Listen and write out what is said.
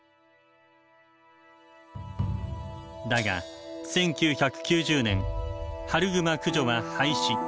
だが１９９０年春グマ駆除は廃止。